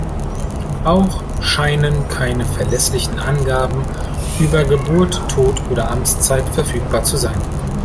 Auch scheinen keine verlässlichen Angaben über Geburt, Tod und Amtszeit verfügbar zu sein.